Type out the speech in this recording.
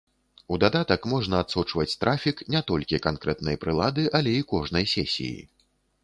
У дадатак можна адсочваць трафік не толькі канкрэтнай прылады, але і кожнай сесіі.